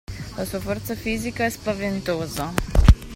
La sua forza fisica è spaventosa!